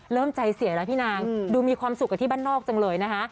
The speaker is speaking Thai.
เริ่มใจเสียแล้วพี่นางดูมีความสุขกับที่บ้านนอกจังเลยนะคะ